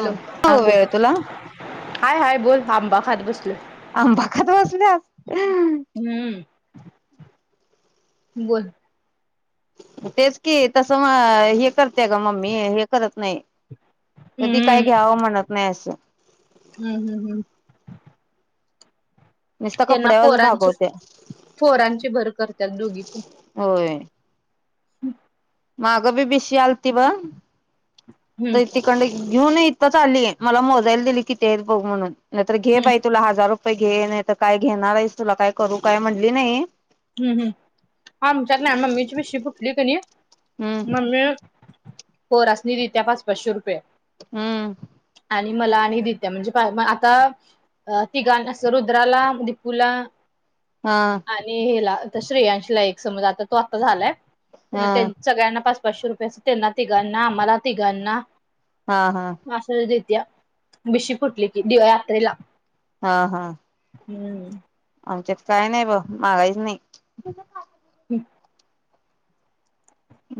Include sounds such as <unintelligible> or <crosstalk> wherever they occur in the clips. Hello हो हा बोल वेळ तुला हाय हाय बोल आंबा खात बसलोय आंबाखात बसल्यास हम्म बोल तेच कि तसं हे करत्या ग मम्मी हे करत नाही कधी काय घ्यावं म्हणत नाही असं हम हम नुसत त्यांना कपड्यावरच पोरांची भागवते पोरांची भर करतात दोघी पण होय माग बी बिशी आलती बघ हम्म तर तिकडंन घेऊन इथंच आली मला मोजायला दिली किती आहेत बघ म्हणून नाही तर घे हम्म बाई तुला हजार रू <unintelligible> घे नाही तर काय घेणार आहेस तुला काय करू काय म्हणली नाही हम हम! आमच्यात नाही मम्मीची भिशी फुठली कनी हम्म मम्मे पोरासनी देतिया पाच पाचशे रुपये हम्म आणि मला आणि देतीय म्हणजे आता तिघांना अस रुद्राला दिपूला हा केला आता श्रेयांशला एक समज आत्ता तो आता झालाय मग हा तेण सगळ्यांना पाच पाच पाचशे रुपये असं त्यांना तिघांना आम्हाला तिघांना हा हा असचं दे <unintelligible> भिशी फुटली की <unintelligible> यात्रेला हा हा हम्म आमच्यात काय नाही बघ मागायचं नाही हम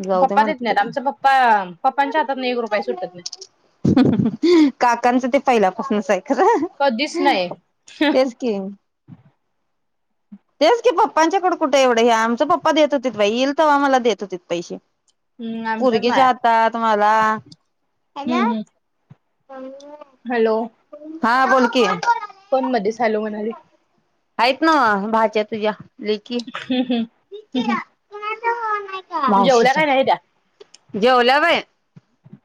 जाऊ दे देत म्हणते नाहीत तिच्याकडे आमचा पप्पा पप्पांच्या हातातन एक रुपया सुटत नाही <unintelligible> काकाचं ते पहिल्यापासनच आह कधीच नाही <unintelligible> तेच की तेच की पप्पांच्याकड कुठे एवढं हे आमचे पप्पा देत होतीत बाई येईल तेव्हा देत होतीत पैसे हम्म आमच्यात नाय पोरगीच्या हातात मला हम्म हॅलो हम्म <inaudible> हॅलो हा बोल की कोण मध्येच् हॅलो म्हणायलंय? आयत नव्ह भाजी तुझ्या तुझ्या लेकी हं हम्म हम्म जेवल्या काय नाही त्या मावशीचाय जेवल्या वय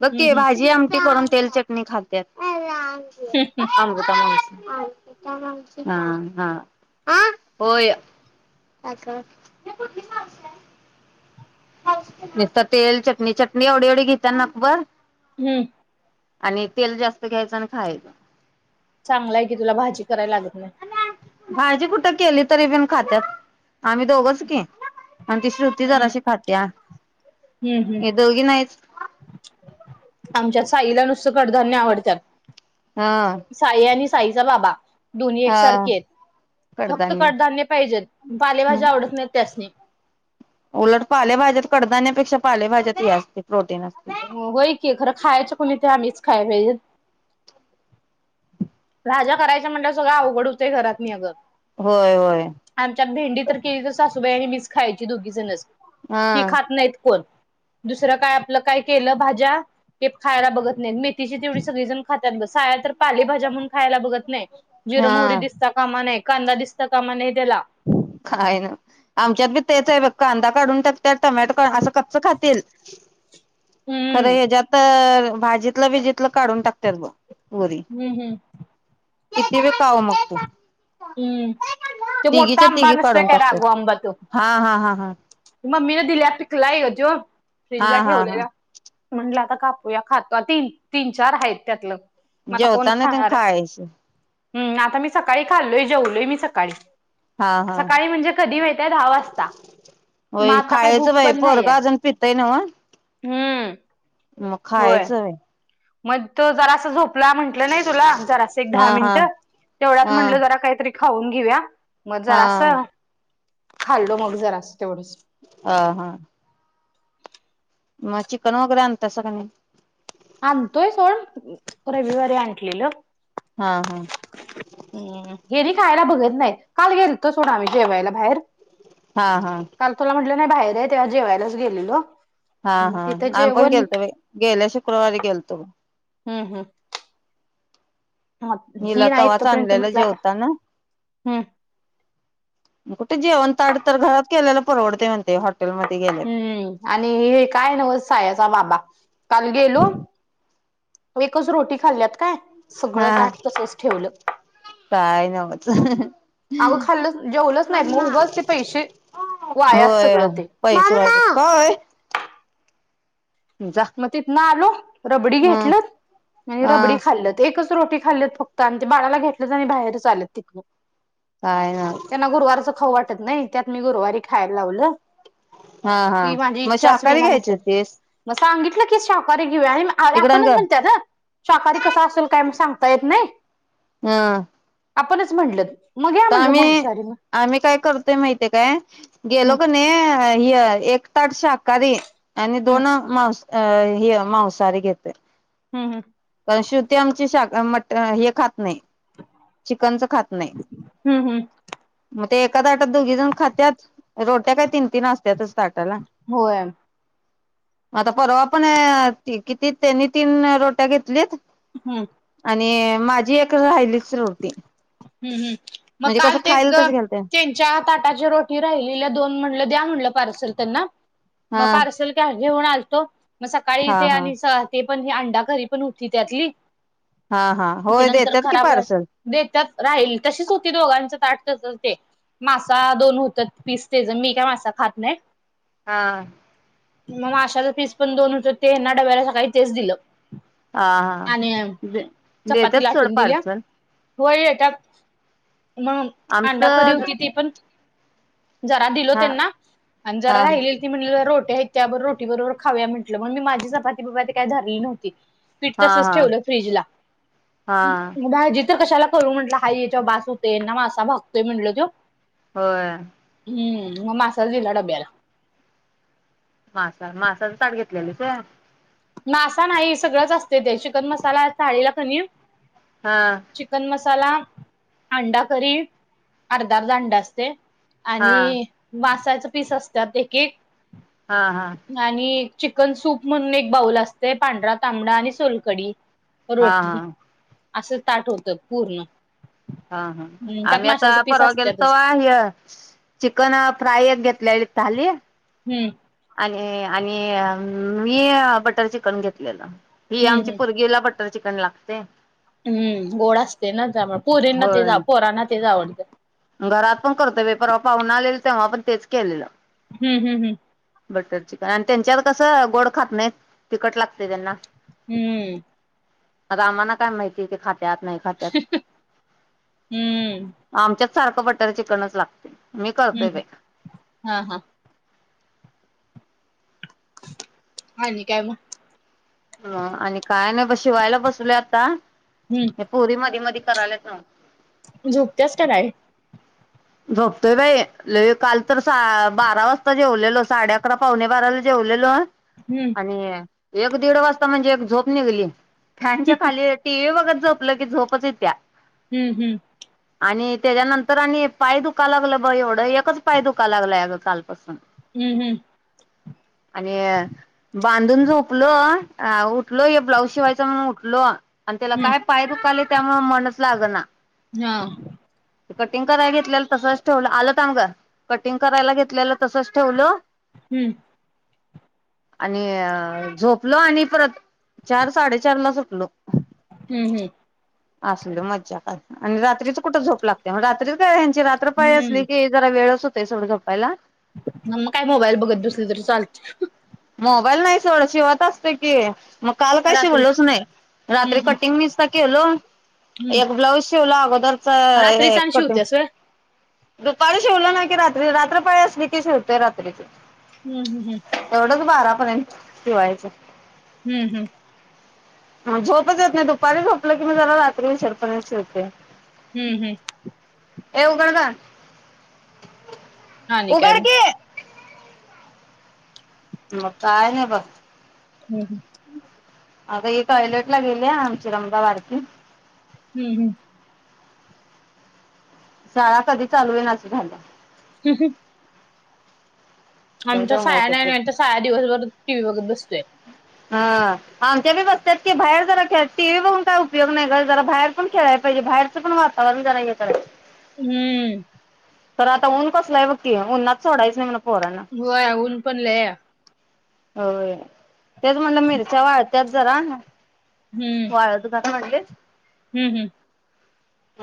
बघ कि हम्म भाजी आम ती करून तेल चटणी खात्यात अमृता माणस अमृता मावशी हा हा आ होय अगं मावशी निसता तेल, चटणी चटणी एवढी एवढी घेती त्या नकभर हं आणि तेल जास्त घ्यायचं आणि खायाच. चांगलाय की तुला भाजी कराय लागत नाई भाजी कुठं केली तरी पीन खात्यात् आम्ही दोघंच की आमची श्रुती हम्म जराशी खात- - <inaudible> हम्म हम्म आमच्यास साईला नुसतं कडधान्य आवडत्यात. हा साई आणि साईचा बाबा दोन्ही हा एकसारखीयेत फक्त कडधान्य पाहिजेत पालेभाजी हम्म. आवडत नाहीत त्यासनी उलट पालेभाज्यात कडधान्यापेक्षा पालेभााज्यात हे असतय व्हय कि खरं खायचं कोणी ते आम्हीच खायय पाहिजेत. भाज्या करायच म्हणल्यावर सगळं अवघड हुतंय घरातनी अगं होय व्हय त्यात भेंडी तर केली तर सासूबाई आणि मीच खायाची दोघीजणचं हा हि खात नाईत कोण दुसरं काय आपलं काय केलं भाज्या ते प खायला बघत नाहीत, मे हीशी तेवढी सगळीजणं खात <unintelligible> साया तर पालेभाज्या म्हणून खायला बघत नाही जिर मोहरी हा दिसता कामा न नाही कांदा दिसता कामा नये तेला काय ना आमच्यात बी तेच आहे बघ कांदा काढून टाकत्यात टोमॅटो अस कच्च खातील खरं हम्म हे ज्यातर भाजीतला भीजीत तेलातल काढून टाकत्यात बघ पोरी हम्म हम्म किती रे पाव मागतो हं तो मोठा आंबा नसतो काढून काय टाकतात. राघू आंबा तो हा हा हा हा मम्मीन दिल्या पिकलाय ओ त्यो फ्रीज हा ला हा हा ठेवलेलल म्हंटलं आता कापूया खातो तीन तीन चार आहेत त्यातलं जेवताना तेन खायाच हं आता मी सकाळी खाल्लोय जेवलोय मी सकाळी हा हा सकाळी म्हणजे कधी मिळते दहा वाजता मग होय आता काही खायचं भूक बई पण पोरग नाहीये. अजून पितय नव्हं हम्म मग होय. खायचं मग तो जरा अस झोप प्ला म्हंटलं नाही तुला जरा अस एक हा दहा हा मिन्ट तेवढाच हा म्हटलं जरा काय तरी खाऊन घेऊया मग हा जरास खाल्लो मग जरास तेवढंच अ ह मग चिकन वगैरे आणतासा का नाही आणतोय सोड रविवारी आणलेलं हा हा हं घेरी खायला बघत नाही काल गेलतो सोड आम्ही जेवायला बाहेर हा हा काल तुला म्हटलं नाही बाहेर आहे तेव्हा जेवायलाच गेलेलो हा मग हा तिथं आम्ही पण जेवण गेलतो बाई गेल्या शु कुरवारी गेलतो हं हं निला तवाच आणलेला जेवताना हम् अ कुठं जेवण ताट तर घरात केलेल परवडते म्हणते हॉट हम्म आणि हे काय नव्हच सायाचा बाबा काल गेलो एकच रोटी खाल्ल्यात काय सगळं हा ताट तसच ठेवलं काय नव्हच अगं खाल्लं जेवलंच नाही मग उगच ते पैसे वायाच होय सगळं ते पैसे <unintelligible> जा मग तिथन आलो रबडी हं घेटलत आणि रबडी हं खाल्ल एकच एकच रोटी खाल्लीत फक्त आणि ते बाळाला घेतलं आणि बाहेरच आलेत तिथनं काय ना त्यांना गुरुवारच खाऊ वाटत नाही त्यात मी गुरुवारी खायला लावलं हा हा ती माझी मग इच्छाच शाहाकारी विना घ्यायची म्हटलं होतीस मग सांगितलं की शाकाहारी घेऊया आणि इकडं आण आपणच गं म्हणत्यात हं शाहाकारी कस असेल काय सांग येता येत नाही हम आपणच म्हटलत आता आम्ही आम्ही काय करतोय माहिती हाय काय गेलो हम्म कणी ह एक ताट शांकाहारी आणि हम्म दोन मांस अ हे मांसहारी घेतोय हं हं श्रुती आमची शाहा मटण हे खात नाही चिकनच खात नाही हम्म हम्म मग ते एका ताटात दोघी जण खात्यात रोट्या काय तीन तीन आस त्यातच ताटाला होय हम्म आता परवा पण किती त्यांनी तीन रोट्या घेत लेत हम्म आणि माझी एक राहिली हम् हम् मग म्हणजे कसं काल तेच खायला ग तसं घालते त्यांच्या ताटाची रोटी राहिलेल्या दोन म्हणलं द्या म्हणलं पार्सल त्यांना मग हा पार्सल का घेऊन आल तो मग सकाळी हा ते हा आणि सहा ते पण ही अंडाकरी पण होती त्यातली हा हा ते होय नंतर देत्यात की खराब पार्सल देतात राहील तशीच होती दोघांच ताट ते मासा दोन होतेत पीस तेच मी काय मासा खात नाही हा मग माशाच पीस पण दोन होतं ते हयांना डब्यायला सकाळी तेच दिलं हा हा आणि देत्यात सोड पार्सल व्हय येत्यात मग अंडाकरी आमचं होती ती पण जरा दिलो हा त्यांना आणि जरा हा राहिले ती म्हणल रो ह्याच्या रोटी बरोबर खाऊया म्हटलं मग मी माझी चपाती बपाती काय धरली नव्हती पीठ हा तसच हा ठेवलं फ्रीजला हा भाजी तर कशाला करू म्हटलं हा याच्या बास होतेय ना मासा भागतोय म्हटल तो होय हम्म मग मासाच दिला डब्याला बर मासा नाही सगळंच असत ते चिकन मसाला थाळीला कणी हा चिकन मसाला, अंडाकरी अर्धा अर्धा अंड असतय हा आणि मासाच पीस असत्यात एकेक हा हा आणि चिकन सूप म्हणून एक बाऊल असतय पांढरा तांबडा आणि सोलकडी हा हा रोटी असं ताट होतं पूर्ण हा हा त्यात आम्ही आता माशाचे पीस परवा गेलो असतातच तवा हे चिकन फ्राय एक घेतलेली थाली हम्म हे आणि मी बटर चिकन घेतलेलं ही हम्म आमची हम्म पुरगीला बट बटर चिकन लागतंय हम्म गोड असतय ना त्यामुळं पोरींना ते होय पोरांना तेच आवडत <inaudible> घरात पण करतो बाई परवा पावण आलेल तेव्हा पण तेच केलेलं हम्म हम्म हम्म बटर चिकन आणि त्यांच्यात कसं गोड खात नाही तिखट लागतय त्यांना हम्म आता आम्हाना काय माहिती ते खात त्यात नाही खात्यात हम्म हम्म आमच्या सारख बटर चिकनच लागतय मी हूं करतोय बाई हूं हा हा आणि काय मग? ह आणि काय नाय बशी शिवायला बसलोय आता हम्म ह्या पोरी मधी मधी करायलात न्हव झोपत्यास का नाय झोपतोय बाई लई काल तर बारा वाजता जेवलेलो साडे अकरा पावणे बाराला जेवलेलो हम्म आणि एक दीड वाजता म्हणजे एक झोप निगली फॅनच्या खाली टी व्ही बगत झोपल की झोपच येतिया हूं हूं आणि त्याच्यानंतर आणि पाय दुखालागला ब एवढं एकच पाय दुखालागलाय अग कालपासून हूं हूं आणि बांधून झोपलो अ उठलो हे ब्लाऊज शिवायच म्हणून उठलो आणि त्याला काय हम्म पाय दुकालेत त्यामुळ मनच लाग ना हा त कटिंग कराय घेत <unintelligible> तसच ठेवल आलो थांब ग कटिंग करायला घेतलेल तसच ठेवल हूं आणि अ झोपलो आणि परत चार साडे चारलाच उठ नो हूं हूं असूदे मज्जा का आणि रात्रीच कुठ झोप लागते मग रात्रीच काय रात्र पाळी असली हम्म की जरा वेळ होत ते सोड झोपायला मंग मग काय मोबाईल बघत बसल तरी चालत मोबाईल नाही सोड शिवत असतय की मग काल काय रात्री शिवलोच नाही हम्म रात्री हम्म कटिंग निसस्त केलो हम्म एक ब्लाऊज शिवला बदल च रात्रीच हे आणि कट शिवत्यास व्हय दुपारी शिवल नाय की रात्री रात्रपाळी असली की शिवतय रात्रीच हम्म हम्म रोज बारापर्यंत जेवायचं हूं हूं मग झोपच येत नाही दुपारी झोपलं कि, मग जरा रात्री उशिरापर्यंत शिवते. हम्म, हम्म ए उघड ग. आणि काय मग? मग काय नाही बघ. हम्म, हम्म अग ही टॉयलेटला गेलीया आमची रंभा बारकी. हम्म, हम्म शाळा कधी चालू होईल ना अस झालंय. <unintelligible> लय आमच्या साया दमवत नाही. होते. नाही तर साया दिवसभर टीव्ही बघत बस ते हा आमच्या बी बसत्याात की, बाहेर जरा खेळ टी व्ही बघून काय उपयोग नाही ग जरा बाहेर पण खेळायला पाहिजे. बाहेरचं पण वातावरण जरा हे कराय हम्म तर आता ऊन कसलाय बघ की, उन्हात सोडायचं नाही म्हण. पोरांना व्हय उन्ह पडलया. होय. तेच म्हणलं मिरच्या वाळत त्यात जरा वाळत घाल. काय म्हणलीस? हम्म, हम्म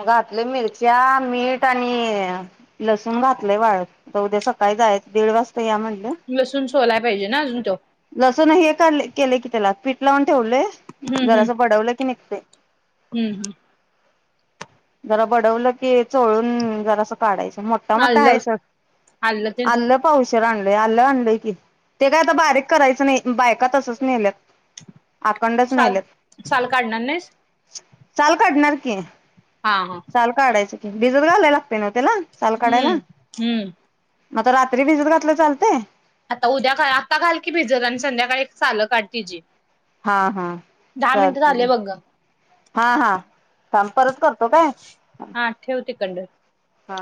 घातलेय मिरच्या, मीठ आणि लसूण घातलेय वाळत. आता उद्या सकाळी जायाच दीड वाज तर या म्हणलं. हम्म लसूण सोलाय पाहिजे ना अजून त्यो? लसुन हे केलंय की त्याला पीठ लावून ठेवलय हम्म हम्म जरासं बढवलं की नई ते हम्म हं जरा बडवलं की चोळून जरा अस काढायचं. मोठा मोठा आलं आहे सोड. आलं ते आल्लं पावश सगळ आणलंय आल्ल आणलय की, ते काय आता बारिक करायचं नाही बायकात तसच नेल्यात. आखंडच साल, नेल्यात साल काढणार नाहीस? साल काढणार की. हा हा साल काढायचंय. भिजत घालायला लागतय न्हव त्याला? साल काढायला हम्म हम्म आता रात्री भिजत घातलं तर चालतय? आता उद्या काय आता घाल की भिजत आणि संध्याकाळी साल काढ तिजी हा, हा चालतय की बघ गं हा, हा थांब परत करतो काय हा ठेव तिकडनं हा